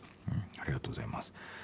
ありがとうございます。